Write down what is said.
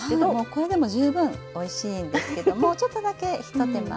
これでも十分おいしいんですけどもちょっとだけ一手間。